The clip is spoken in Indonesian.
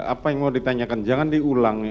apa yang mau ditanyakan jangan diulang nih